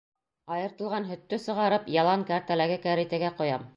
Айыртылған һөттө сығарып, ялан кәртәләге кәритәгә ҡоям.